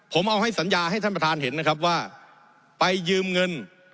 ผมเอาให้สัญญาให้ท่านประธานเห็นนะครับว่าไปยืมเงิน